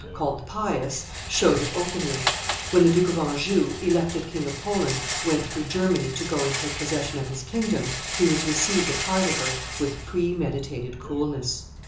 called the Pious, showed it openly; when the Duke of Anjou, elected King of Poland, went through Germany to go and take possession of his kingdom, he was received at Heidelberg with premeditated coolness.